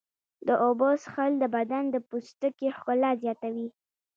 د اوبو څښل د بدن د پوستکي ښکلا زیاتوي.